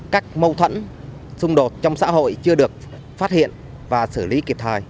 các mâu thuẫn xung đột trong xã hội chưa được phát hiện và xử lý kịp thời